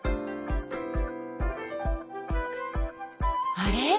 あれ？